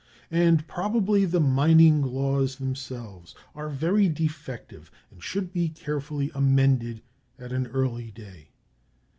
and probably the mining laws themselves, are very defective and should be carefully amended, and at an early day.